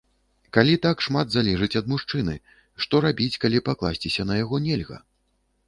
Калі так шмат залежыць ад мужчыны, што рабіць, калі пакласціся на яго нельга?